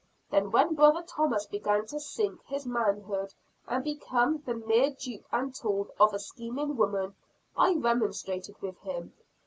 Then when brother Thomas began to sink his manhood and become the mere dupe and tool of a scheming woman, I remonstrated with him.